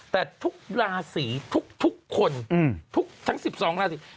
แต่ราศรีทุกคนทั้ง๑๒ราศรี